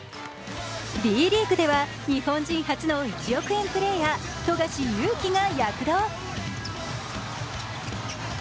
Ｂリーグでは日本人初の１億円プレーヤー富樫勇樹が躍動。